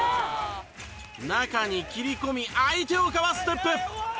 中に切り込み相手をかわすステップ！